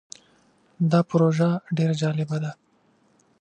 دا پروژه ډیر جالبه ده.